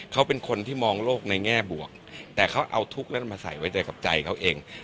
เขาเป็นคนที่มองโลกในแง่บวกแต่เขาเอาทุกข์แล้วมันมาใส่ไว้ใจกับใจเขาเอง